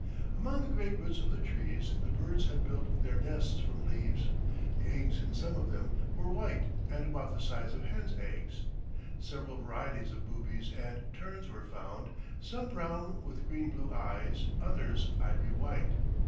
Among the great roots of the trees the birds had built their nests from leaves. The eggs in some of them were white and about the size of hens' eggs. Several varieties of boobies and terns were found, some brown with green blue eyes, others ivory white.